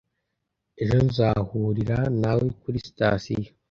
Ejo nzahurira nawe kuri sitasiyo